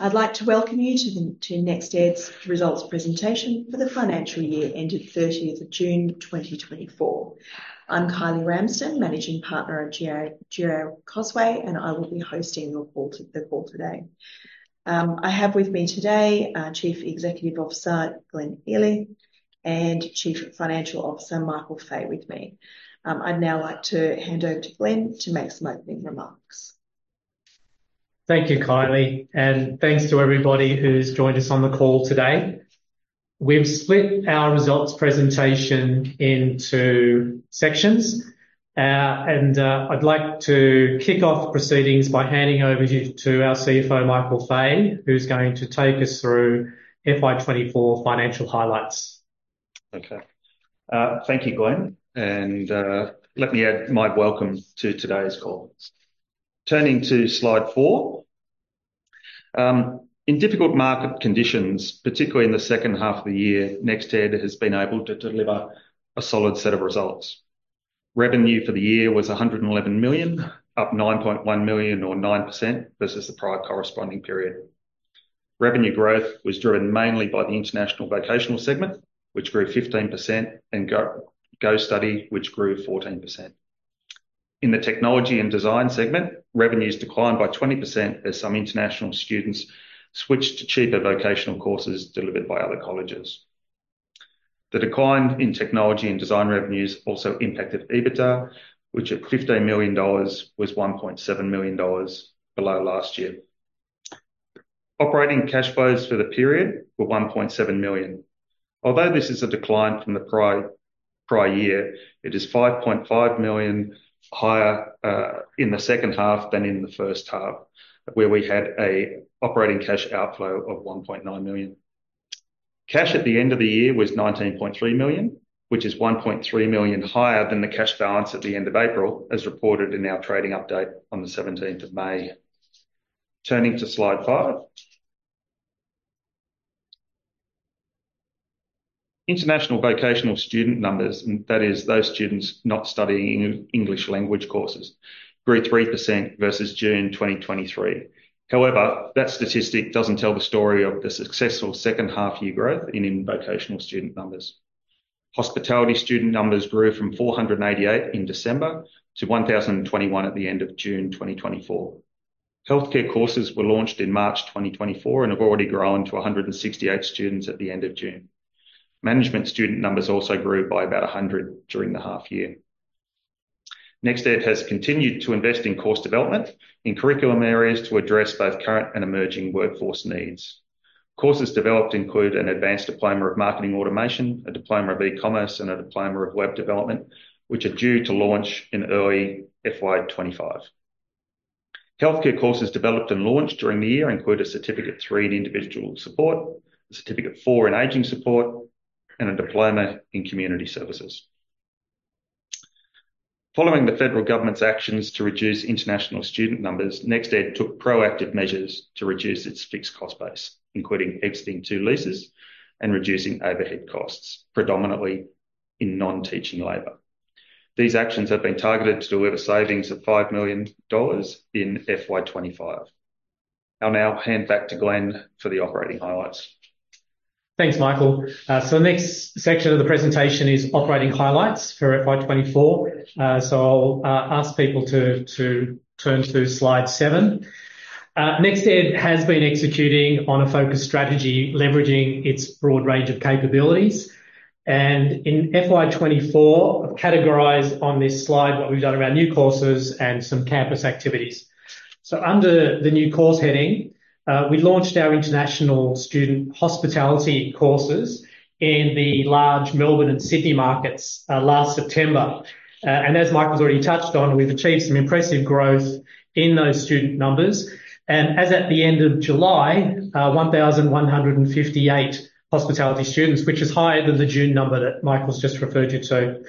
I'd like to welcome you to the NextEd's results presentation for the financial year ending 30th of June, 2024. I'm Kylie Ramsden, Managing Partner at GRACosway, and I will be hosting the call today. I have with me today our Chief Executive Officer, Glenn Elith, and Chief Financial Officer, Michael Fahey. I'd now like to hand over to Glenn to make some opening remarks. Thank you, Kylie, and thanks to everybody who's joined us on the call today. We've split our results presentation into sections, and I'd like to kick off proceedings by handing over to our CFO, Michael Fahey, who's going to take us through FY 2024 financial highlights. Okay. Thank you, Glenn, and let me add my welcome to today's call. Turning to slide four. In difficult market conditions, particularly in the second half of the year, NextEd has been able to deliver a solid set of results. Revenue for the year was 111 million, up 9.1 million, or 9% versus the prior corresponding period. Revenue growth was driven mainly by the international vocational segment, which grew 15%, and Go Study, which grew 14%. In the technology and design segment, revenues declined by 20% as some international students switched to cheaper vocational courses delivered by other colleges. The decline in technology and design revenues also impacted EBITDA, which at 15 million dollars, was 1.7 million dollars below last year. Operating cash flows for the period were 1.7 million. Although this is a decline from the prior year, it is 5.5 million higher in the second half than in the first half, where we had a operating cash outflow of 1.9 million. Cash at the end of the year was 19.3 million, which is 1.3 million higher than the cash balance at the end of April, as reported in our trading update on the 17th of May. Turning to slide five. International vocational student numbers, and that is those students not studying English language courses, grew 3% versus June 2023. However, that statistic doesn't tell the story of the successful second half year growth in vocational student numbers. Hospitality student numbers grew from 488 in December to 1,021 at the end of June 2024. Healthcare courses were launched in March 2024 and have already grown to 168 students at the end of June. Management student numbers also grew by about 100 during the half year. NextEd has continued to invest in course development, in curriculum areas to address both current and emerging workforce needs. Courses developed include an Advanced Diploma of Marketing Automation, a Diploma of E-Commerce, and a Diploma of Web Development, which are due to launch in early FY 2025. Healthcare courses developed and launched during the year include a Certificate III in Individual Support, a Certificate IV in Aging Support, and a Diploma in Community Services. Following the federal government's actions to reduce international student numbers, NextEd took proactive measures to reduce its fixed cost base, including exiting two leases and reducing overhead costs, predominantly in non-teaching labor. These actions have been targeted to deliver savings of 5 million dollars in FY 2025. I'll now hand back to Glenn for the operating highlights. Thanks, Michael. The next section of the presentation is operating highlights for FY 2024. I'll ask people to turn to slide seven. NextEd has been executing on a focused strategy, leveraging its broad range of capabilities, and in FY 2024, I've categorized on this slide what we've done around new courses and some campus activities. Under the new course heading, we launched our international student hospitality courses in the large Melbourne and Sydney markets last September. And as Michael's already touched on, we've achieved some impressive growth in those student numbers, and as at the end of July, 1,158 hospitality students, which is higher than the June number that Michael's just referred to.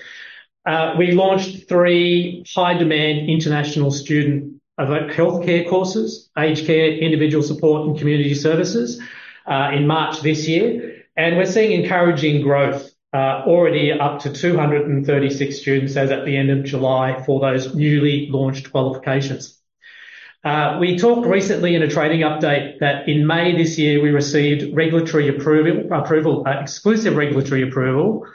We launched three high-demand international student about healthcare courses, aged care, individual support, and community services, in March this year, and we're seeing encouraging growth, already up to 236 students, as at the end of July for those newly launched qualifications. We talked recently in a trading update that in May this year we received regulatory approval, exclusive regulatory approval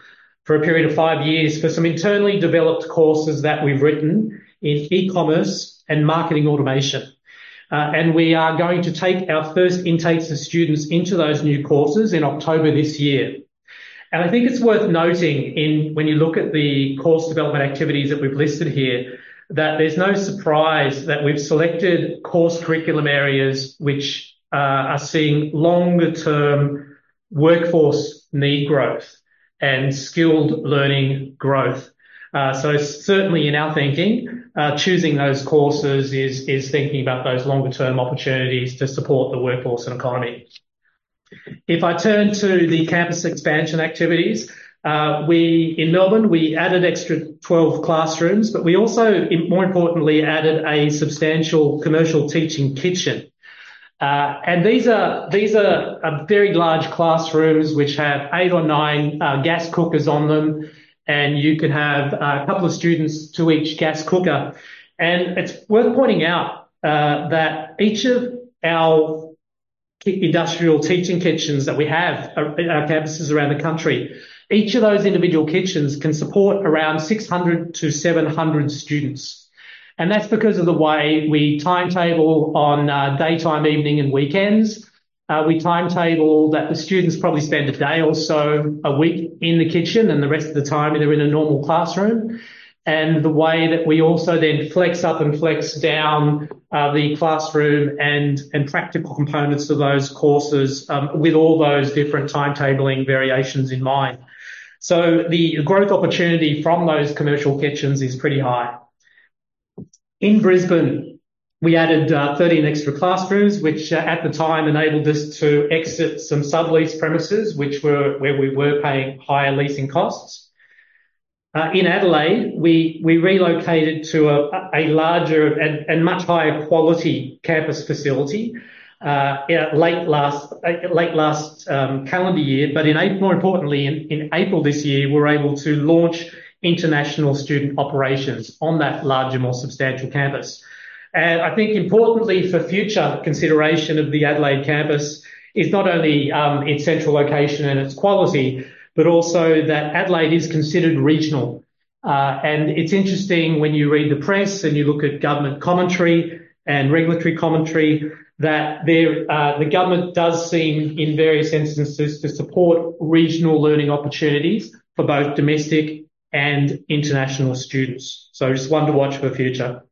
for a period of five years for some internally developed courses that we've written in e-commerce and marketing automation. We are going to take our first intakes of students into those new courses in October this year. I think it's worth noting when you look at the course development activities that we've listed here, that there's no surprise that we've selected course curriculum areas which are seeing longer term workforce need growth and skilled learning growth. So certainly in our thinking, choosing those courses is thinking about those longer term opportunities to support the workforce and economy. If I turn to the campus expansion activities, we in Melbourne we added extra 12 classrooms, but we also, more importantly, added a substantial commercial teaching kitchen. These are very large classrooms which have eight or nine gas cookers on them, and you could have a couple of students to each gas cooker. It's worth pointing out that each of our industrial teaching kitchens that we have in our campuses around the country, each of those individual kitchens can support around 600-700 students. That's because of the way we timetable on daytime, evening, and weekends. We timetable that the students probably spend a day or so a week in the kitchen, and the rest of the time they're in a normal classroom. And the way that we also then flex up and flex down the classroom and practical components to those courses with all those different timetabling variations in mind. So the growth opportunity from those commercial kitchens is pretty high. In Brisbane, we added 13 extra classrooms, which at the time enabled us to exit some sublease premises, which were where we were paying higher leasing costs. In Adelaide, we relocated to a larger and much higher quality campus facility, yeah, late last calendar year. But more importantly, in April this year, we were able to launch international student operations on that larger, more substantial campus. And I think importantly for future consideration of the Adelaide campus is not only its central location and its quality, but also that Adelaide is considered regional. And it's interesting when you read the press and you look at government commentary and regulatory commentary, that there the government does seem, in various instances, to support regional learning opportunities for both domestic and international students. So just one to watch for future.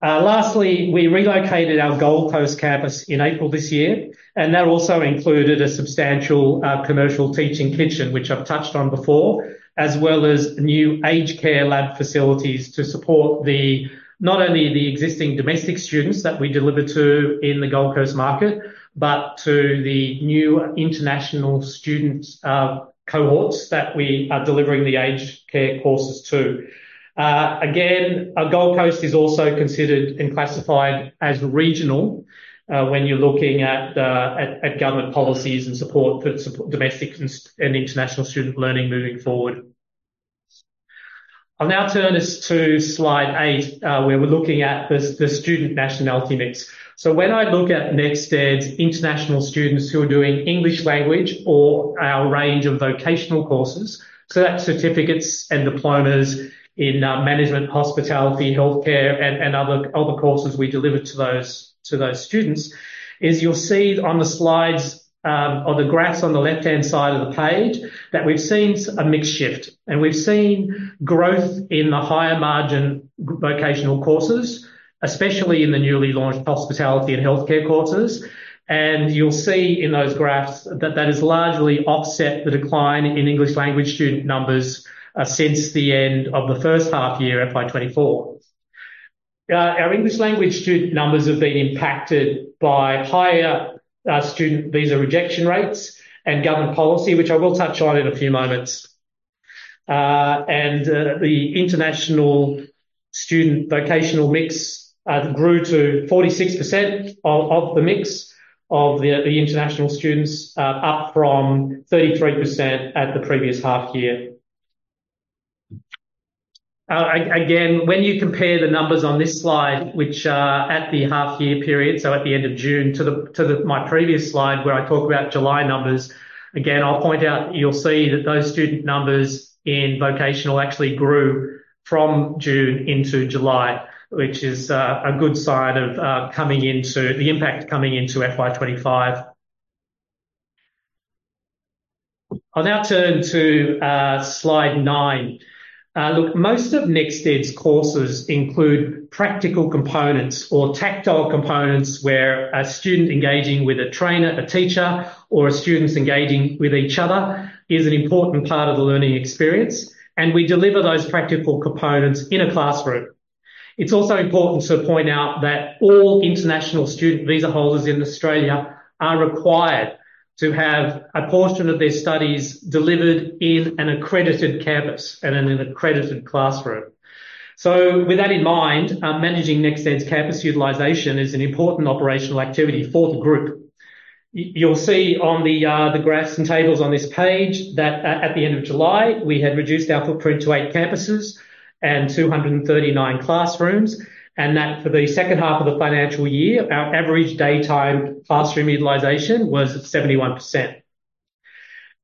Lastly, we relocated our Gold Coast campus in April this year, and that also included a substantial commercial teaching kitchen, which I've touched on before, as well as new aged care lab facilities to support the, Not only the existing domestic students that we deliver to in the Gold Coast market, but to the new international students, cohorts that we are delivering the aged care courses to. Again, Gold Coast is also considered and classified as regional, when you're looking at government policies and support for domestic and international student learning moving forward. I'll now turn us to slide eight, where we're looking at the student nationality mix. So when I look at NextEd's international students who are doing English language or our range of vocational courses, so that's certificates and diplomas in management, hospitality, healthcare, and other courses we deliver to those students, is you'll see on the slides or the graphs on the left-hand side of the page, that we've seen a mixed shift. We've seen growth in the higher margin vocational courses, especially in the newly launched hospitality and healthcare courses. You'll see in those graphs that that has largely offset the decline in English language student numbers since the end of the first half year, FY 2024. Our English language student numbers have been impacted by higher student visa rejection rates and government policy, which I will touch on in a few moments. The international student vocational mix grew to 46% of the mix of the international students, up from 33% at the previous half year. Again, when you compare the numbers on this slide, which are at the half year period, so at the end of June, to my previous slide, where I talk about July numbers, again, I'll point out you'll see that those student numbers in vocational actually grew from June into July, which is a good sign of the impact coming into FY 2025. I'll now turn to slide nine. Look, most of NextEd's courses include practical components or tactile components, where a student engaging with a trainer, a teacher, or a student's engaging with each other is an important part of the learning experience, and we deliver those practical components in a classroom. It's also important to point out that all international student visa holders in Australia are required to have a portion of their studies delivered in an accredited campus and in an accredited classroom. So with that in mind, managing NextEd's campus utilization is an important operational activity for the group. You'll see on the graphs and tables on this page that at the end of July, we had reduced our footprint to eight campuses and 239 classrooms, and that for the second half of the financial year, our average daytime classroom utilization was 71%.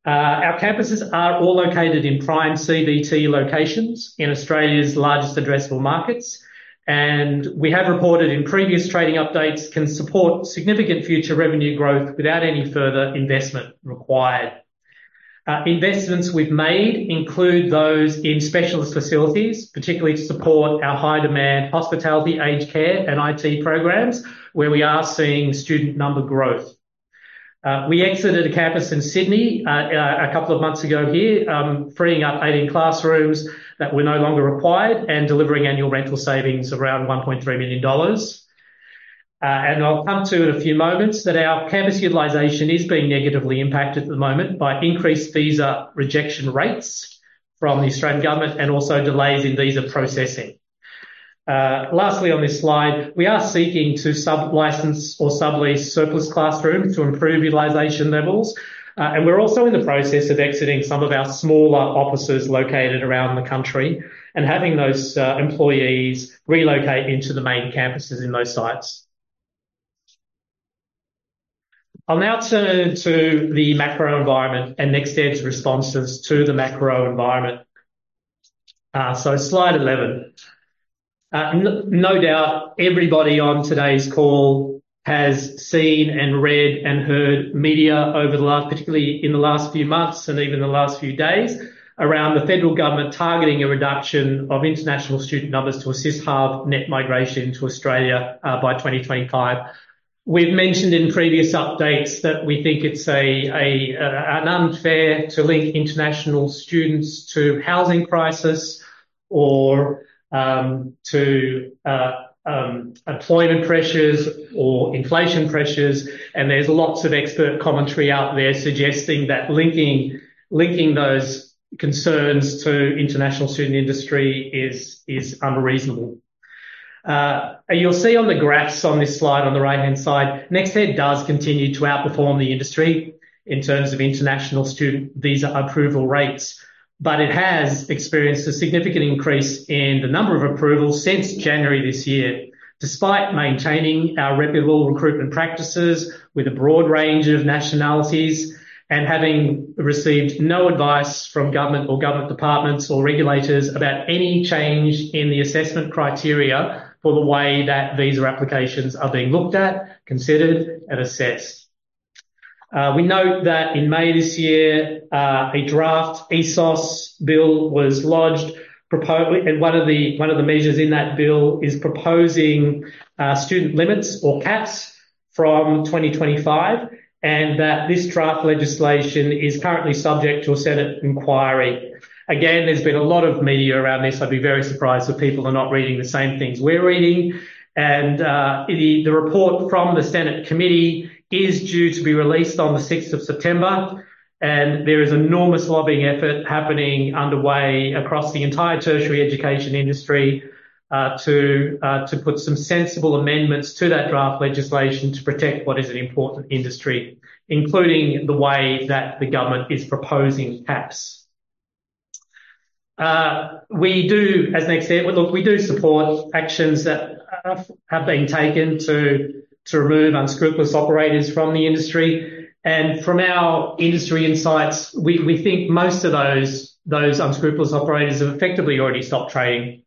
Our campuses are all located in prime VET locations in Australia's largest addressable markets, and we have reported in previous trading updates, can support significant future revenue growth without any further investment required. Investments we've made include those in specialist facilities, particularly to support our high-demand hospitality, aged care, and IT programs, where we are seeing student number growth. We exited a campus in Sydney, a couple of months ago here, freeing up 18 classrooms that were no longer required and delivering annual rental savings around 1.3 million dollars. And I'll come to in a few moments that our campus utilization is being negatively impacted at the moment by increased visa rejection rates from the Australian government and also delays in visa processing. Lastly, on this slide, we are seeking to sub-license or sublease surplus classrooms to improve utilization levels. And we're also in the process of exiting some of our smaller offices located around the country and having those employees relocate into the main campuses in those sites. I'll now turn to the macro environment and NextEd's responses to the macro environment. So slide 11. No doubt, everybody on today's call has seen and read and heard media over the last, particularly in the last few months and even the last few days, around the federal government targeting a reduction of international student numbers to assist in halving net migration to Australia, by 2025. We've mentioned in previous updates that we think it's an unfair to link international students to housing crisis or, to employment pressures or inflation pressures. And there's lots of expert commentary out there suggesting that linking those concerns to international student industry is unreasonable. You'll see on the graphs on this slide, on the right-hand side, NextEd does continue to outperform the industry in terms of international student visa approval rates, but it has experienced a significant increase in the number of approvals since January this year. Despite maintaining our reputable recruitment practices with a broad range of nationalities and having received no advice from government or government departments or regulators about any change in the assessment criteria for the way that visa applications are being looked at, considered, and assessed. We note that in May this year, a draft ESOS Bill was lodged, and one of the measures in that bill is proposing student limits or caps from twenty twenty-five, and that this draft legislation is currently subject to a Senate inquiry. Again, there's been a lot of media around this. I'd be very surprised if people are not reading the same things we're reading, and the report from the Senate committee is due to be released on the sixth of September, and there is enormous lobbying effort happening underway across the entire tertiary education industry to put some sensible amendments to that draft legislation to protect what is an important industry, including the way that the government is proposing caps. We do, as NextEd—look, we do support actions that have been taken to remove unscrupulous operators from the industry, and from our industry insights, we think most of those unscrupulous operators have effectively already stopped trading.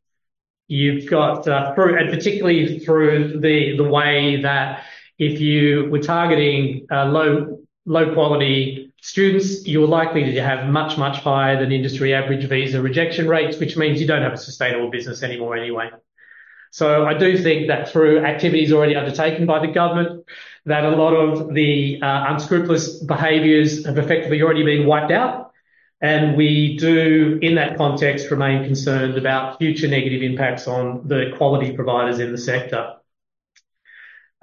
You've got, through, and particularly through the way that if you were targeting, low-quality students, you're likely to have much higher than industry average visa rejection rates, which means you don't have a sustainable business anymore anyway. So I do think that through activities already undertaken by the government, that a lot of the unscrupulous behaviors have effectively already been wiped out, and we do, in that context, remain concerned about future negative impacts on the quality providers in the sector.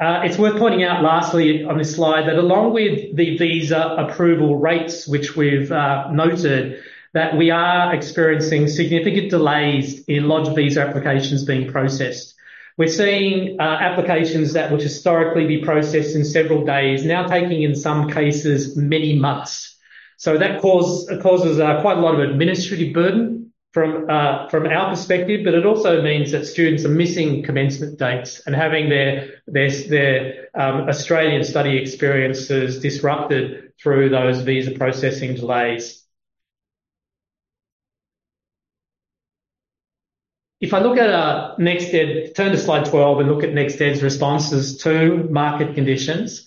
It's worth pointing out lastly on this slide, that along with the visa approval rates, which we've noted, that we are experiencing significant delays in large visa applications being processed. We're seeing, applications that would historically be processed in several days, now taking, in some cases, many months. So that causes quite a lot of administrative burden from our perspective, but it also means that students are missing commencement dates and having their Australian study experiences disrupted through those visa processing delays. If I look at NextEd, turn to slide 12 and look at NextEd's responses to market conditions.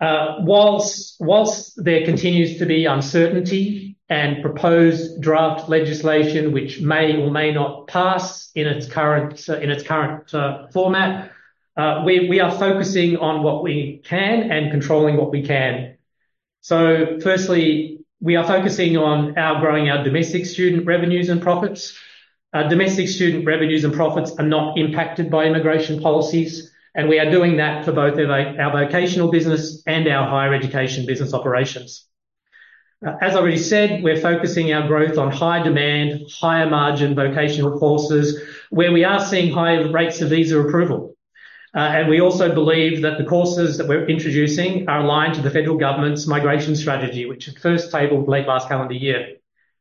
Whilst there continues to be uncertainty and proposed draft legislation, which may or may not pass in its current format, we are focusing on what we can and controlling what we can. So firstly, we are focusing on outgrowing our domestic student revenues and profits. Domestic student revenues and profits are not impacted by immigration policies, and we are doing that for both of our vocational business and our higher education business operations. As I already said, we're focusing our growth on high demand, higher margin vocational courses where we are seeing higher rates of visa approval. And we also believe that the courses that we're introducing are aligned to the Federal Government's migration strategy, which was first tabled late last calendar year,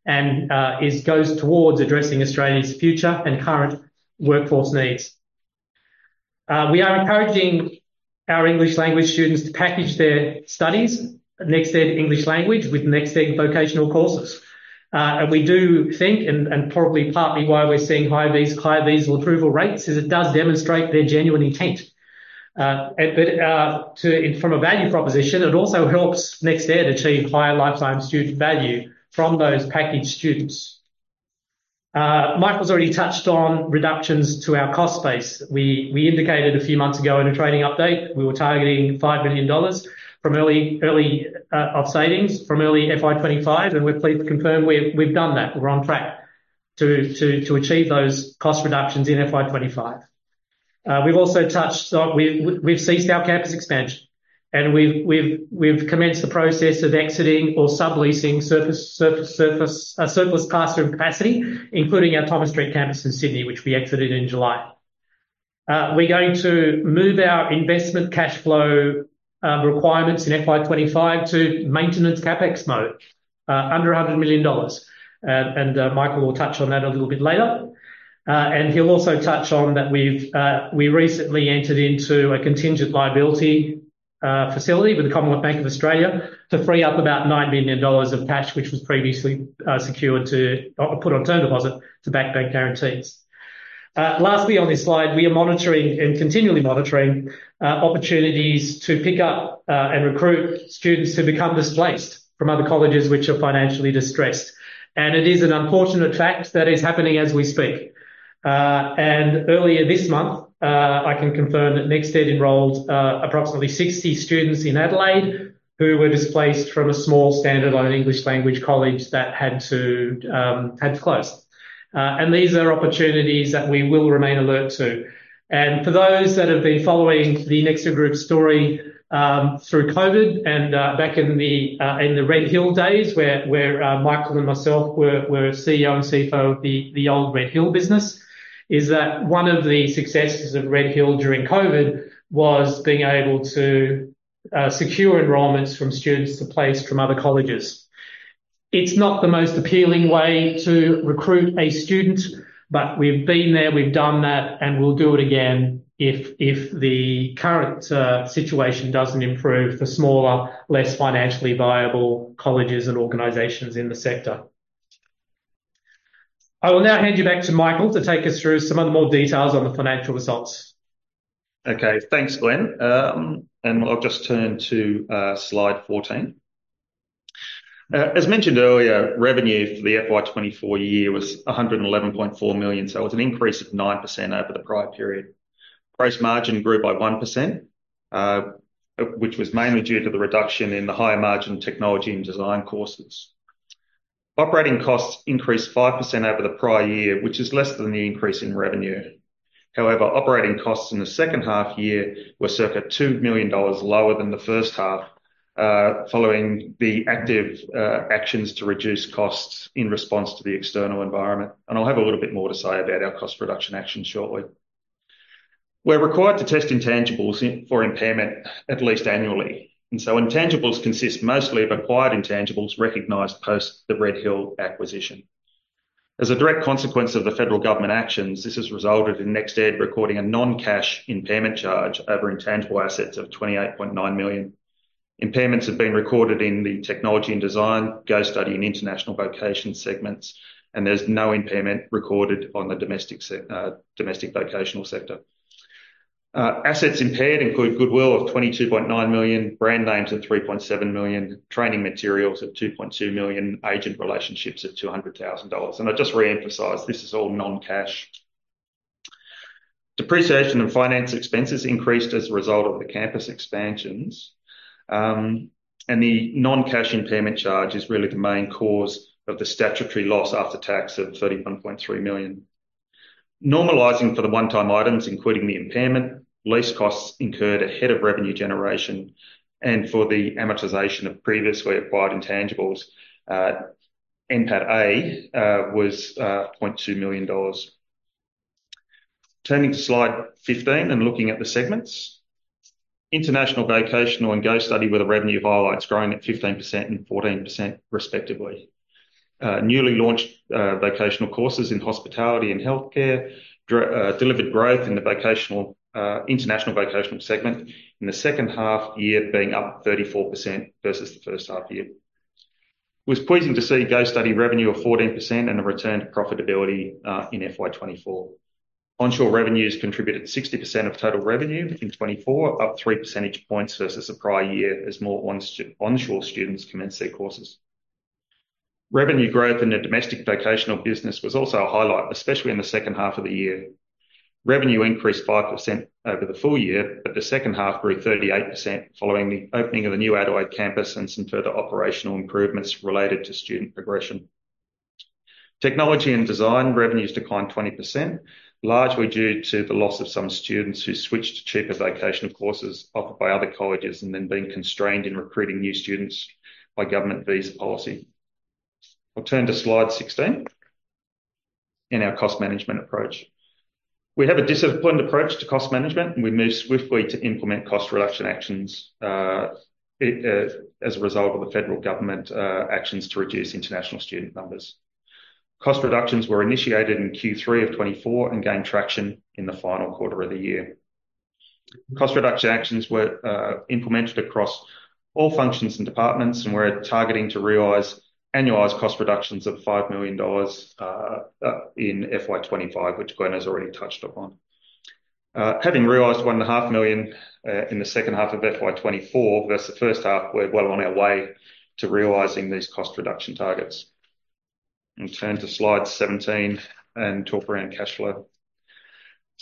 and it goes towards addressing Australia's future and current workforce needs. We are encouraging our English language students to package their studies, NextEd English language, with NextEd vocational courses. And we do think, and probably partly why we're seeing high visa approval rates, is it does demonstrate their genuine intent. But from a value proposition, it also helps NextEd achieve higher lifetime student value from those packaged students. Michael's already touched on reductions to our cost base. We indicated a few months ago in a trading update, we were targeting 5 million dollars of savings from early FY 2025, and we're pleased to confirm we've done that. We're on track to achieve those cost reductions in FY 2025. We've also touched on. We've ceased our campus expansion, and we've commenced the process of exiting or subleasing surplus classroom capacity, including our Thomas Street campus in Sydney, which we exited in July. We're going to move our investment cash flow requirements in FY 2025 to maintenance CapEx mode, under 100 million dollars. Michael will touch on that a little bit later. He'll also touch on that we recently entered into a contingent liability facility with the Commonwealth Bank of Australia to free up about 9 million dollars of cash, which was previously secured to or put on term deposit to back bank guarantees. Lastly, on this slide, we are monitoring and continually monitoring opportunities to pick up and recruit students who become displaced from other colleges which are financially distressed. It is an unfortunate fact that is happening as we speak. Earlier this month, I can confirm that NextEd enrolled approximately 60 students in Adelaide who were displaced from a small standalone English language college that had to close. These are opportunities that we will remain alert to. For those that have been following the NextEd Group story, through COVID and back in the RedHill days, where Michael and myself were CEO and CFO of the old RedHill business, is that one of the successes of RedHill during COVID was being able to secure enrollments from students displaced from other colleges. It's not the most appealing way to recruit a student, but we've been there, we've done that, and we'll do it again if the current situation doesn't improve for smaller, less financially viable colleges and organizations in the sector. I will now hand you back to Michael to take us through some of the more details on the financial results. Okay, thanks, Glenn. And I'll just turn to slide 14. As mentioned earlier, revenue for the FY 2024 year was 111.4 million, so it was an increase of 9% over the prior period. Gross margin grew by 1%, which was mainly due to the reduction in the higher margin technology and design courses. Operating costs increased 5% over the prior year, which is less than the increase in revenue. However, operating costs in the second half year were circa 2 million dollars lower than the first half, following the active actions to reduce costs in response to the external environment, and I'll have a little bit more to say about our cost reduction actions shortly. We're required to test intangibles for impairment at least annually, and so intangibles consist mostly of acquired intangibles recognized post the RedHill acquisition. As a direct consequence of the federal government actions, this has resulted in NextEd recording a non-cash impairment charge over intangible assets of 28.9 million. Impairments have been recorded in the technology and design, Go Study and international vocational segments, and there's no impairment recorded on the domestic vocational sector. Assets impaired include goodwill of 22.9 million, brand names of 3.7 million, training materials of 2.2 million, agent relationships of 200,000 dollars. And I just reemphasize, this is all non-cash. Depreciation and finance expenses increased as a result of the campus expansions, and the non-cash impairment charge is really the main cause of the statutory loss after tax of 31.3 million. Normalizing for the one-time items, including the impairment, lease costs incurred ahead of revenue generation, and for the amortization of previously acquired intangibles, NPAT (A) was 0.2 million dollars. Turning to slide 15 and looking at the segments. International, Vocational, and Go Study were the revenue highlights, growing at 15% and 14% respectively. Newly launched vocational courses in hospitality and healthcare delivered growth in the vocational international vocational segment, in the second half year being up 34% versus the first half year. It was pleasing to see Go Study revenue of 14% and a return to profitability in FY 2024. Onshore revenues contributed 60% of total revenue in 2024, up three percentage points versus the prior year, as more onshore students commenced their courses. Revenue growth in the domestic vocational business was also a highlight, especially in the second half of the year. Revenue increased 5% over the full year, but the second half grew 38%, following the opening of the new Adelaide campus and some further operational improvements related to student progression. Technology and design revenues declined 20%, largely due to the loss of some students who switched to cheaper vocational courses offered by other colleges and then being constrained in recruiting new students by government visa policy. I'll turn to slide 16, in our cost management approach. We have a disciplined approach to cost management, and we moved swiftly to implement cost reduction actions, as a result of the federal government actions to reduce international student numbers. Cost reductions were initiated in Q3 of 2024 and gained traction in the final quarter of the year. Cost reduction actions were implemented across all functions and departments, and we're targeting to realize annualized cost reductions of 5 million dollars in FY 2025, which Glenn has already touched upon. Having realized 1.5 million in the second half of FY 2024 versus the first half, we're well on our way to realizing these cost reduction targets. We'll turn to slide 17 and talk around cash flow.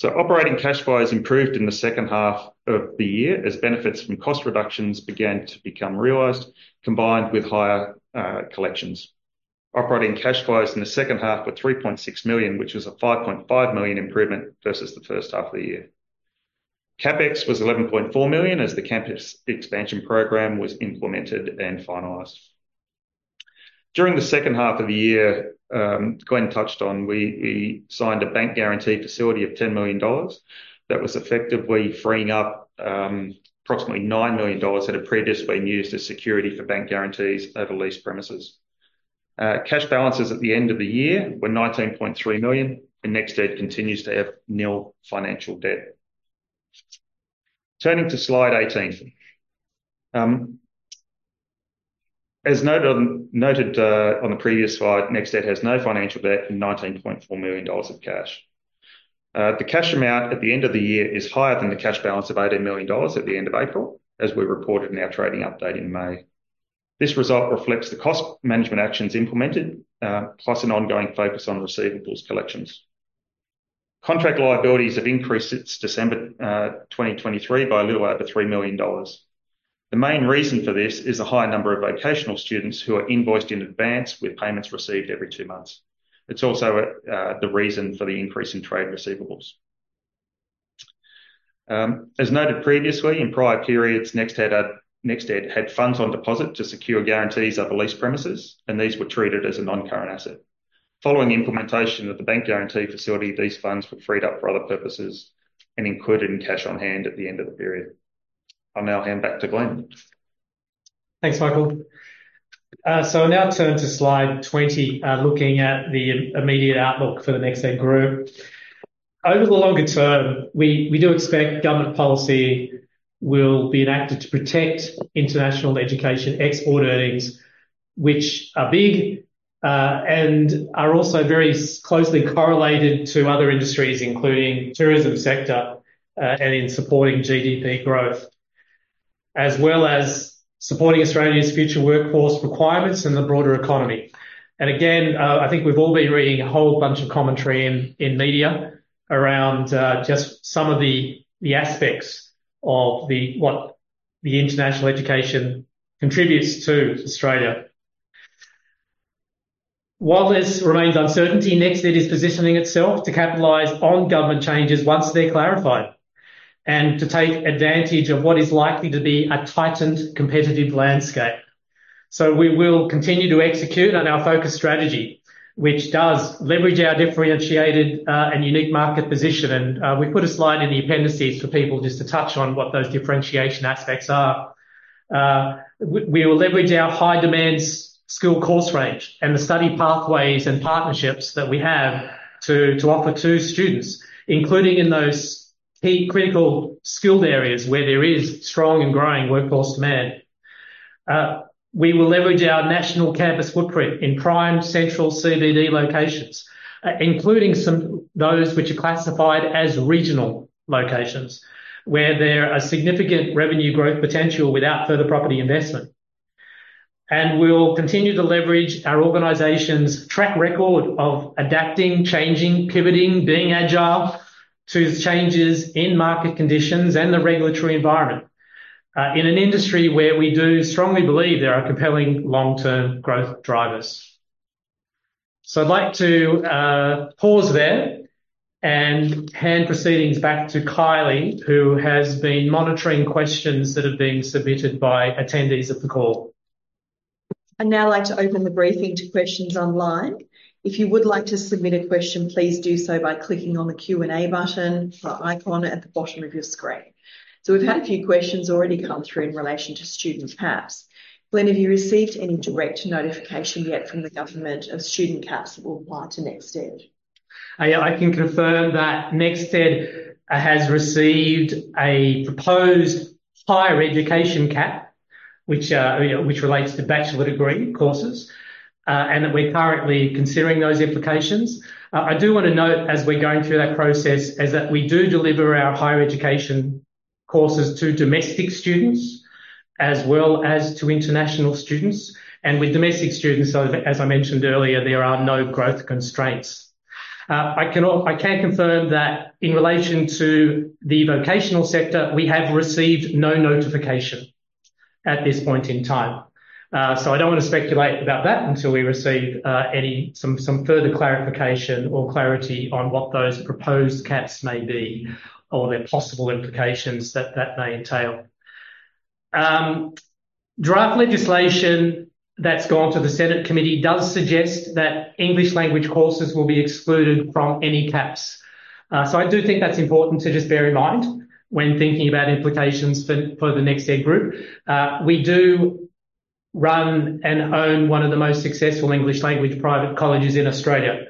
Operating cash flow has improved in the second half of the year as benefits from cost reductions began to become realized, combined with higher collections. Operating cash flows in the second half were 3.6 million, which was a 5.5 million improvement versus the first half of the year. CapEx was 11.4 million, as the campus expansion program was implemented and finalized. During the second half of the year, Glenn touched on, we signed a bank guarantee facility of 10 million dollars. That was effectively freeing up approximately 9 million dollars that had previously been used as security for bank guarantees over leased premises. Cash balances at the end of the year were 19.3 million, and NextEd continues to have nil financial debt. Turning to slide 18. As noted on the previous slide, NextEd has no financial debt and 19.4 million dollars of cash. The cash amount at the end of the year is higher than the cash balance of 18 million dollars at the end of April, as we reported in our trading update in May. This result reflects the cost management actions implemented, plus an ongoing focus on receivables collections. Contract Liabilities have increased since December 2023 by a little over 3 million dollars. The main reason for this is the high number of vocational students who are invoiced in advance, with payments received every two months. It's also the reason for the increase in trade receivables. As noted previously, in prior periods, NextEd had funds on deposit to secure guarantees of the leased premises, and these were treated as a non-current asset. Following the implementation of the bank guarantee facility, these funds were freed up for other purposes and included in cash on hand at the end of the period. I'll now hand back to Glenn. Thanks, Michael. So we now turn to slide twenty, looking at the immediate outlook for the NextEd Group. Over the longer term, we do expect government policy will be enacted to protect international education export earnings, which are big, and are also very closely correlated to other industries, including tourism sector, and in supporting GDP growth, as well as supporting Australia's future workforce requirements and the broader economy. And again, I think we've all been reading a whole bunch of commentary in media around just some of the aspects of what the international education contributes to Australia. While this remains uncertainty, NextEd is positioning itself to capitalize on government changes once they're clarified, and to take advantage of what is likely to be a tightened competitive landscape. So we will continue to execute on our focus strategy, which does leverage our differentiated and unique market position. And we put a slide in the appendices for people just to touch on what those differentiation aspects are. We will leverage our high-demand skill course range and the study pathways and partnerships that we have to offer to students, including in those key critical skilled areas where there is strong and growing workforce demand. We will leverage our national campus footprint in prime central CBD locations, including some those which are classified as regional locations, where there are significant revenue growth potential without further property investment. And we'll continue to leverage our organization's track record of adapting, changing, pivoting, being agile to changes in market conditions and the regulatory environment, in an industry where we do strongly believe there are compelling long-term growth drivers. So I'd like to, pause there and hand proceedings back to Kylie, who has been monitoring questions that have been submitted by attendees of the call. I'd now like to open the briefing to questions online. If you would like to submit a question, please do so by clicking on the Q&A button or icon at the bottom of your screen. So we've had a few questions already come through in relation to student caps. Glenn, have you received any direct notification yet from the government of student caps that will apply to NextEd? I can confirm that NextEd has received a proposed higher education cap, which, you know, which relates to bachelor degree courses, and that we're currently considering those implications. I do wanna note, as we're going through that process, is that we do deliver our higher education courses to domestic students as well as to international students, and with domestic students, as I mentioned earlier, there are no growth constraints. I can confirm that in relation to the vocational sector, we have received no notification at this point in time. So I don't want to speculate about that until we receive any some further clarification or clarity on what those proposed caps may be, or the possible implications that that may entail. Draft legislation that's gone to the Senate committee does suggest that English language courses will be excluded from any caps, so I do think that's important to just bear in mind when thinking about implications for the NextEd Group. We do run and own one of the most successful English language private colleges in Australia,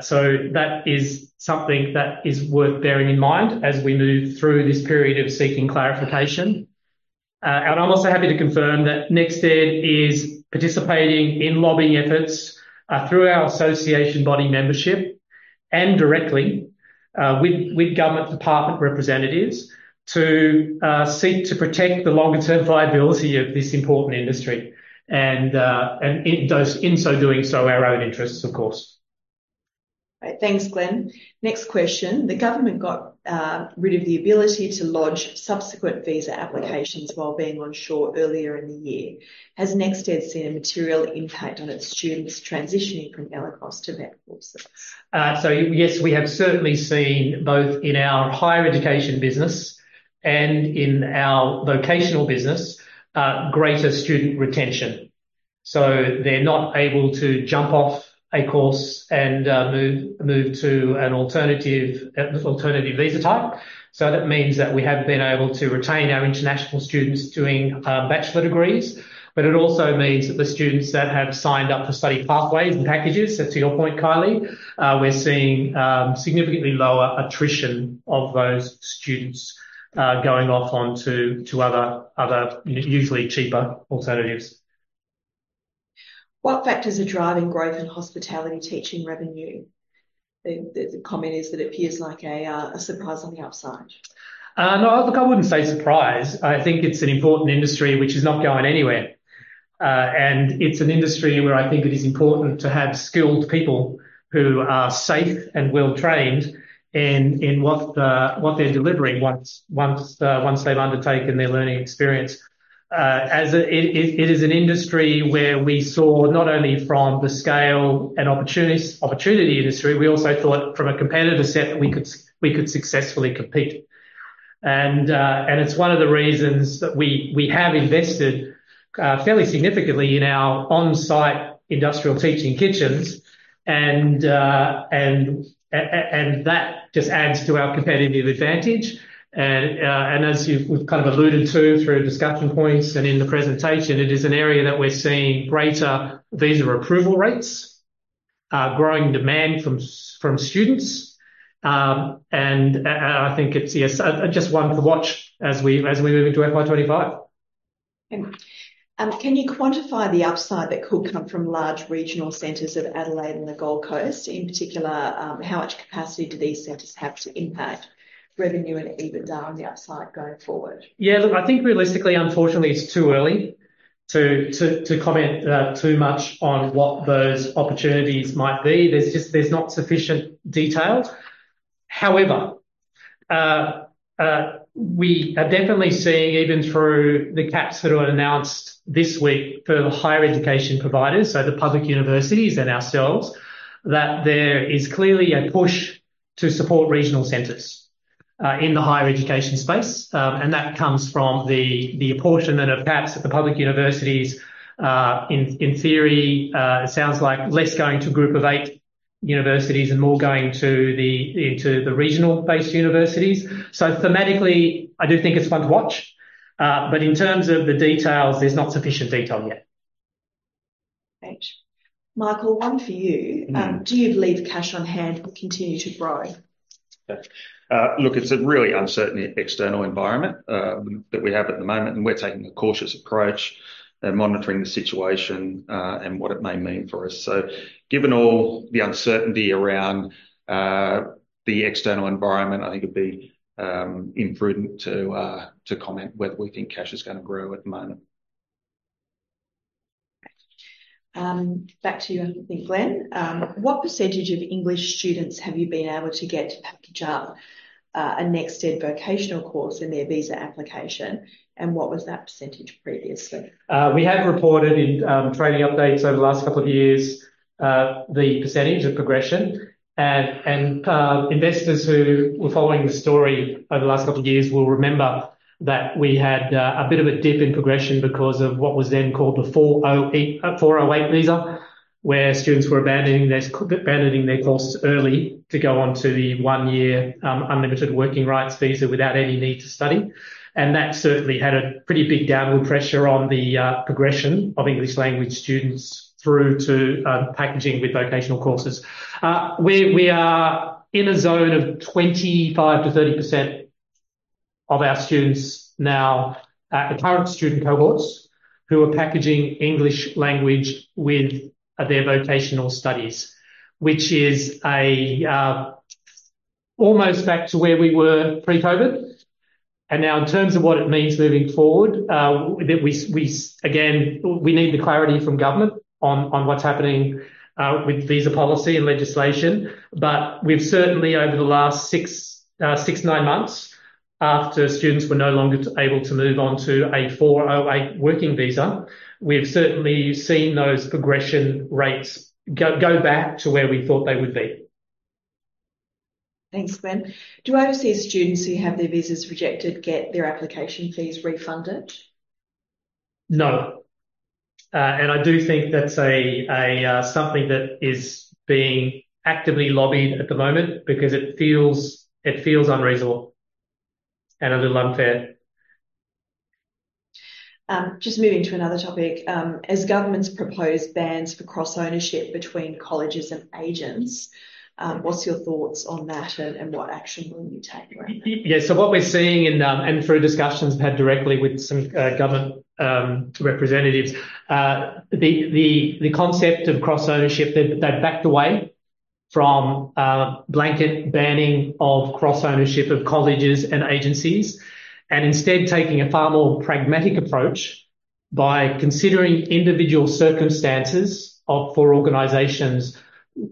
so that is something that is worth bearing in mind as we move through this period of seeking clarification, and I'm also happy to confirm that NextEd is participating in lobbying efforts through our association body membership and directly with government department representatives to seek to protect the longer-term viability of this important industry, and in so doing, our own interests, of course. Right. Thanks, Glenn. Next question. The government got rid of the ability to lodge subsequent visa applications while being onshore earlier in the year. Has NextEd seen a material impact on its students transitioning from ELICOS to VET courses? So yes, we have certainly seen, both in our higher education business and in our vocational business, greater student retention. So they're not able to jump off a course and move to an alternative visa type. So that means that we have been able to retain our international students doing bachelor degrees, but it also means that the students that have signed up for study pathways and packages, so to your point, Kylie, we're seeing significantly lower attrition of those students going off onto other usually cheaper alternatives. What factors are driving growth in hospitality teaching revenue? The comment is that appears like a surprise on the upside. No, look, I wouldn't say surprise. I think it's an important industry which is not going anywhere. And it's an industry where I think it is important to have skilled people who are safe and well-trained in what they're delivering once they've undertaken their learning experience. It is an industry where we saw, not only from the scale and opportunity in the industry, we also thought from a competitor set that we could successfully compete. And it's one of the reasons that we have invested fairly significantly in our on-site industrial teaching kitchens, and that just adds to our competitive advantage. As you've kind of alluded to through discussion points and in the presentation, it is an area that we're seeing greater visa approval rates, growing demand from students, and I think it's yes, just one to watch as we move into FY 2025. Thank you. Can you quantify the upside that could come from large regional centers of Adelaide and the Gold Coast? In particular, how much capacity do these centers have to impact revenue and EBITDA on the upside going forward? Yeah, look, I think realistically, unfortunately, it's too early to comment too much on what those opportunities might be. There's just, there's not sufficient detail. However, we are definitely seeing, even through the caps that were announced this week for higher education providers, so the public universities and ourselves, that there is clearly a push to support regional centers in the higher education space, and that comes from the apportionment of caps at the public universities. In theory, it sounds like less going to the Group of Eight universities and more going into the regional-based universities. So thematically, I do think it's one to watch, but in terms of the details, there's not sufficient detail yet. Thanks. Michael, one for you. Do you believe cash on hand will continue to grow? Look, it's a really uncertain external environment that we have at the moment, and we're taking a cautious approach and monitoring the situation and what it may mean for us. So given all the uncertainty around the external environment, I think it'd be imprudent to comment whether we think cash is gonna grow at the moment. Back to you, I think, Glenn. What percentage of English students have you been able to get to package up a NextEd vocational course in their visa application, and what was that percentage previously? We have reported in trading updates over the last couple of years the percentage of progression, and investors who were following the story over the last couple of years will remember that we had a bit of a dip in progression because of what was then called the 408 visa, where students were abandoning their courses early to go on to the one-year unlimited working rights visa without any need to study. And that certainly had a pretty big downward pressure on the progression of English language students through to packaging with vocational courses. We are in a zone of 25%-30% of our students now, the current student cohorts, who are packaging English language with their vocational studies, which is almost back to where we were pre-COVID. Now, in terms of what it means moving forward, we again need the clarity from government on what's happening with visa policy and legislation, but we've certainly, over the last six to nine months, after students were no longer able to move on to a 408 working visa, we've certainly seen those progression rates go back to where we thought they would be. Thanks, Glenn. Do AoC students who have their visas rejected get their application fees refunded? No, and I do think that's something that is being actively lobbied at the moment because it feels unreasonable and a little unfair. Just moving to another topic. As governments propose bans for cross-ownership between colleges and agents, what's your thoughts on that, and what action will you take around that? Yeah, so what we're seeing and through discussions we've had directly with some government representatives, the concept of cross-ownership, they've backed away from blanket banning of cross-ownership of colleges and agencies, and instead taking a far more pragmatic approach by considering individual circumstances of organizations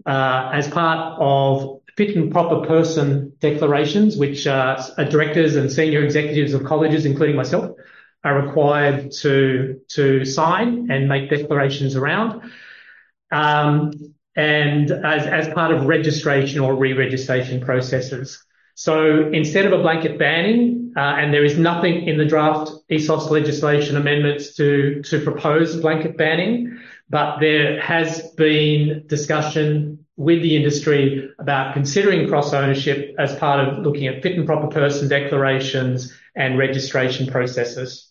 as part of fit and proper person declarations, which directors and senior executives of colleges, including myself, are required to sign and make declarations around. And as part of registration or re-registration processes. So instead of a blanket banning and there is nothing in the draft ESOS legislation amendments to propose a blanket banning, but there has been discussion with the industry about considering cross-ownership as part of looking at fit and proper person declarations and registration processes.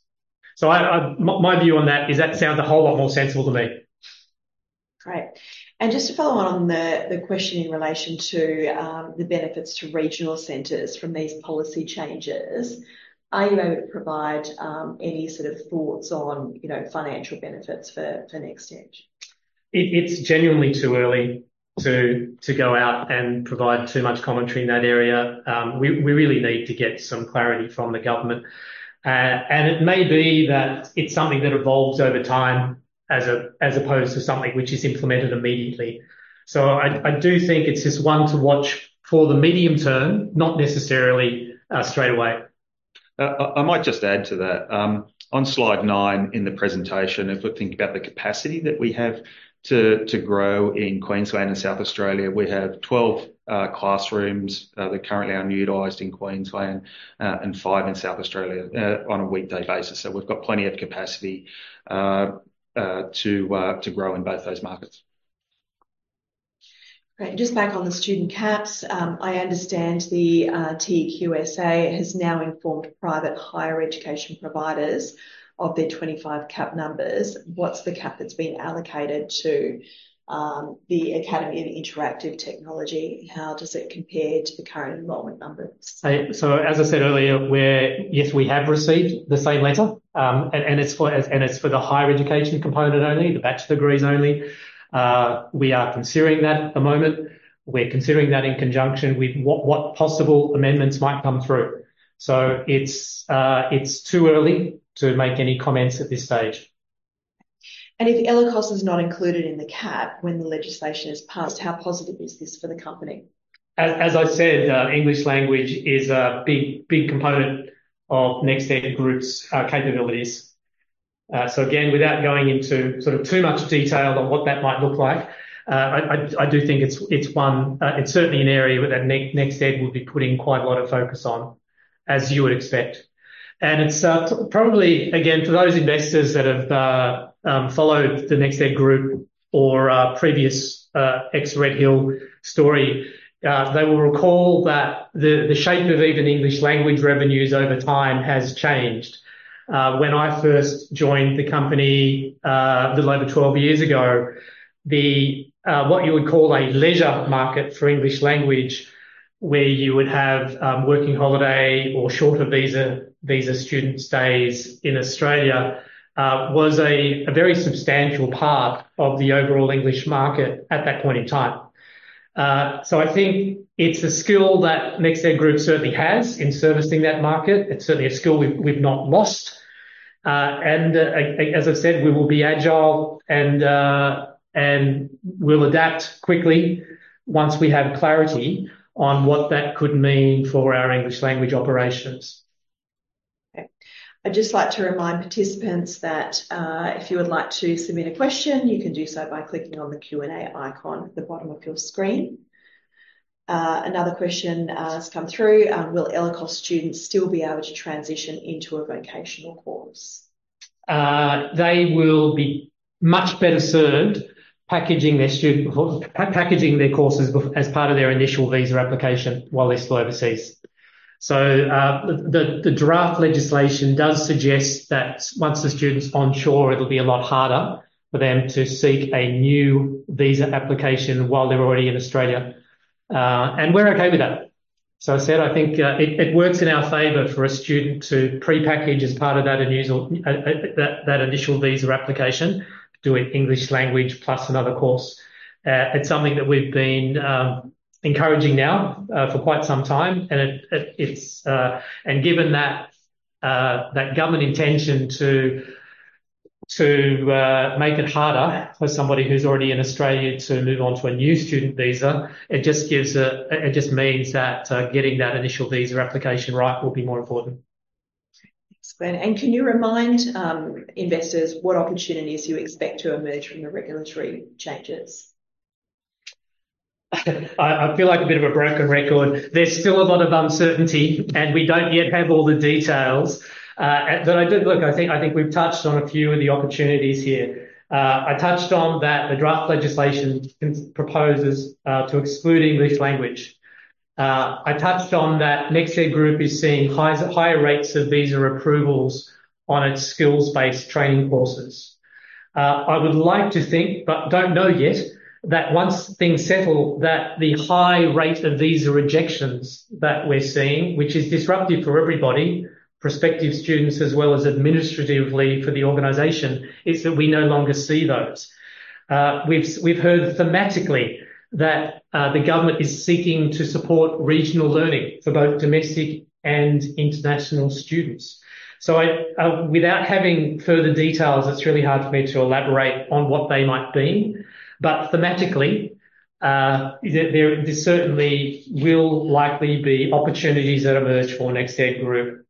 My view on that is that sounds a whole lot more sensible to me. Great. And just to follow on, on the question in relation to the benefits to regional centers from these policy changes, are you able to provide any sort of thoughts on, you know, financial benefits for NextEd? It's genuinely too early to go out and provide too much commentary in that area. We really need to get some clarity from the government, and it may be that it's something that evolves over time as opposed to something which is implemented immediately, so I do think it's just one to watch for the medium term, not necessarily straight away. I might just add to that. On slide nine in the presentation, if we think about the capacity that we have to grow in Queensland and South Australia, we have 12 classrooms that currently are unutilized in Queensland, and five in South Australia, on a weekday basis. So we've got plenty of capacity to grow in both those markets. Great. Just back on the student caps, I understand the TEQSA has now informed private higher education providers of their 25 cap numbers. What's the cap that's been allocated to the Academy of Interactive Technology, and how does it compare to the current enrollment numbers? So as I said earlier, we're yes, we have received the same letter, and it's for the higher education component only, the bachelor degrees only. We are considering that at the moment. We're considering that in conjunction with what possible amendments might come through. So it's too early to make any comments at this stage. If ELICOS is not included in the cap when the legislation is passed, how positive is this for the company? As I said, English language is a big, big component of NextEd Group's capabilities. So again, without going into sort of too much detail on what that might look like, I do think it's one, it's certainly an area that NextEd will be putting quite a lot of focus on, as you would expect. And it's probably, again, for those investors that have followed the NextEd Group or previous ex-RedHill story, they will recall that the shape of even English language revenues over time has changed. When I first joined the company, a little over 12 years ago, the what you would call a leisure market for English language, where you would have working holiday or shorter visa student stays in Australia, was a very substantial part of the overall English market at that point in time, so I think it's a skill that NextEd Group certainly has in servicing that market. It's certainly a skill we've not lost, and as I've said, we will be agile and we'll adapt quickly once we have clarity on what that could mean for our English language operations. Okay. I'd just like to remind participants that, if you would like to submit a question, you can do so by clicking on the Q&A icon at the bottom of your screen. Another question has come through: Will ELICOS students still be able to transition into a vocational course? They will be much better served packaging their student course, packaging their courses as part of their initial visa application while they're still overseas. So, the draft legislation does suggest that once the student's onshore, it'll be a lot harder for them to seek a new visa application while they're already in Australia. And we're okay with that. So I said, I think, it works in our favor for a student to pre-package as part of that initial visa application, doing English language plus another course. It's something that we've been encouraging now for quite some time, and it, it's... And given that government intention to make it harder for somebody who's already in Australia to move on to a new student visa, it just means that getting that initial visa application right will be more important. Excellent. And can you remind investors what opportunities you expect to emerge from the regulatory changes? I feel like a bit of a broken record. There's still a lot of uncertainty, and we don't yet have all the details. But I did look, I think we've touched on a few of the opportunities here. I touched on that the draft legislation proposes to exclude English language. I touched on that NextEd Group is seeing higher rates of visa approvals on its skills-based training courses. I would like to think, but don't know yet, that once things settle, that the high rate of visa rejections that we're seeing, which is disruptive for everybody, prospective students as well as administratively for the organization, is that we no longer see those. We've heard thematically that the government is seeking to support regional learning for both domestic and international students. So I, without having further details, it's really hard for me to elaborate on what they might mean. But thematically, there certainly will likely be opportunities that emerge for NextEd Group.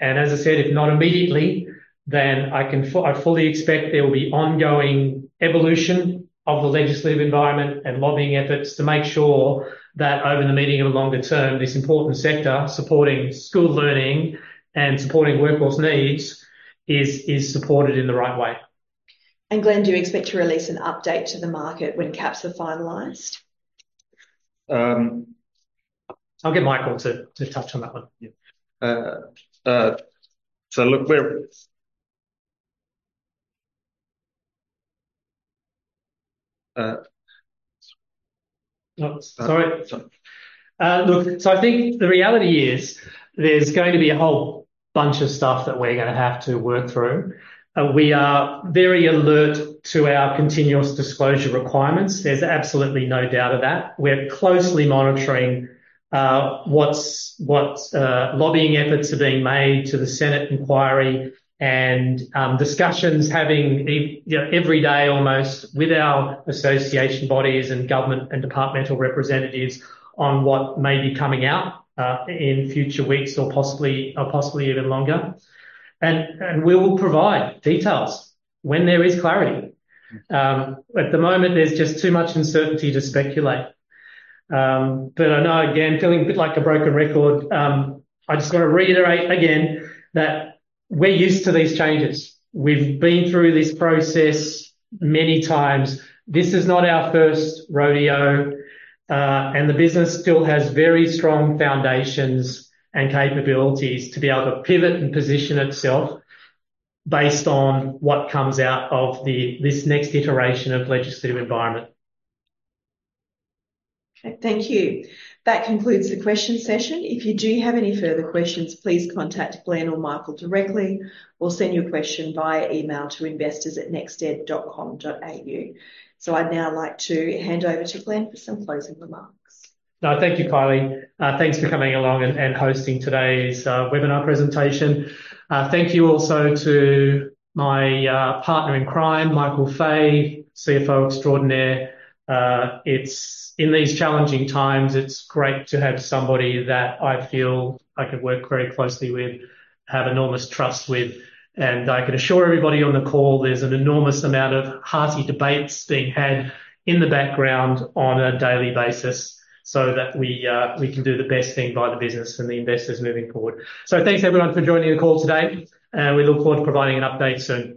And as I said, if not immediately, then I fully expect there will be ongoing evolution of the legislative environment and lobbying efforts to make sure that over the medium and longer term, this important sector, supporting school learning and supporting workforce needs, is supported in the right way. Glenn, do you expect to release an update to the market when caps are finalized? I'll get Michael to touch on that one. Yeah. So look, we're Uh, sorry. Sorry. Look, so I think the reality is there's going to be a whole bunch of stuff that we're gonna have to work through. We are very alert to our continuous disclosure requirements. There's absolutely no doubt of that. We're closely monitoring what lobbying efforts are being made to the Senate inquiry and discussions you know, every day almost with our association bodies and government and departmental representatives on what may be coming out in future weeks or possibly even longer, and we will provide details when there is clarity. At the moment, there's just too much uncertainty to speculate, but I know, again, feeling a bit like a broken record, I just want to reiterate again that we're used to these changes. We've been through this process many times. This is not our first rodeo, and the business still has very strong foundations and capabilities to be able to pivot and position itself based on what comes out of this next iteration of legislative environment. Okay, thank you. That concludes the question session. If you do have any further questions, please contact Glenn or Michael directly, or send your question via email to investors@nexted.com.au. So I'd now like to hand over to Glenn for some closing remarks. Thank you, Kylie. Thanks for coming along and hosting today's webinar presentation. Thank you also to my partner in crime, Michael Fahey, CFO extraordinaire. In these challenging times, it's great to have somebody that I feel I could work very closely with, have enormous trust with, and I can assure everybody on the call there's an enormous amount of hearty debates being had in the background on a daily basis, so that we can do the best thing by the business and the investors moving forward. Thanks, everyone, for joining the call today, and we look forward to providing an update soon.